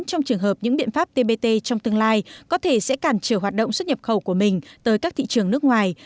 trong trường hợp những biện pháp tbt trong tương lai có thể sẽ cản trở hoạt động xuất nhập khẩu của mình tới các thị trường nước ngoài